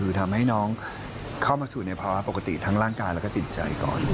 คือทำให้น้องเข้ามาสู่ในภาวะปกติทั้งร่างกายแล้วก็จิตใจก่อน